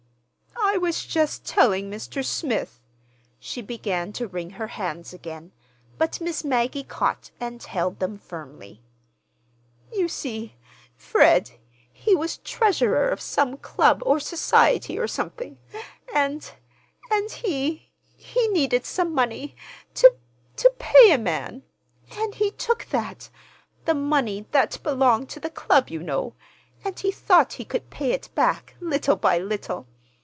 "I was just telling Mr. Smith." She began to wring her hands again, but Miss Maggie caught and held them firmly. "You see, Fred, he was treasurer of some club, or society, or something; and—and he—he needed some money to—to pay a man, and he took that—the money that belonged to the club, you know, and he thought he could pay it back, little by little.